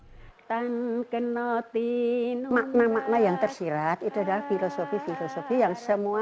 hutan kenotin makna makna yang tersirat itu adalah filosofi filosofi yang semua